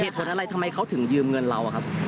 ผลอะไรทำไมเขาถึงยืมเงินเราอะครับ